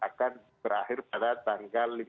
akan berakhir pada tanggal lima belas oktober ini